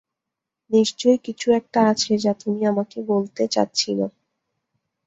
নিশ্চয়ই কিছু-একটা আছে, যা তুমি আমাকে বলতে চাচ্ছি না।